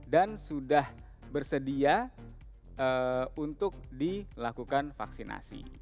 dan sudah bersedia untuk dilakukan vaksinasi